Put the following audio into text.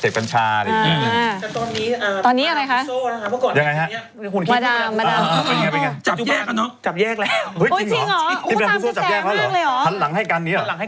ฮอลลี่บู๊บต้องมีคู่นี้ตลอดอะไรอย่างนี้